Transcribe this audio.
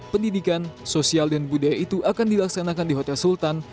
pendidikan sosial dan budaya itu akan dilaksanakan di hotel sultan